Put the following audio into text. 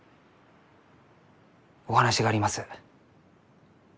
お話があります。